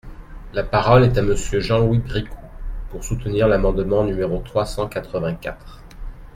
La parole est à Monsieur Jean-Louis Bricout, pour soutenir l’amendement numéro trois cent quatre-vingt-quatre.